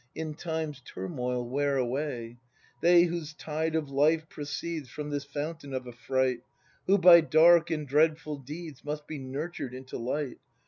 In Time's turmoil wear away, — They, whose tide of life proceeds From this fountain of affright. Who by dark and dreadful deeds Must be nurtured into light.